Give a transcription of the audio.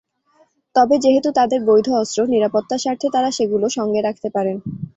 তবে যেহেতু তাঁদের বৈধ অস্ত্র, নিরাপত্তার স্বার্থে তাঁরা সেগুলো সঙ্গে রাখতে পারেন।